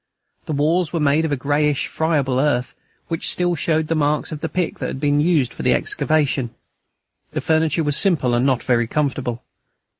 The walls were made of a greyish, friable earth, which still showed the marks of the pick that had been used for the excavation. The furniture was simple and not very comfortable.